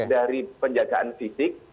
pertama penjagaan fisik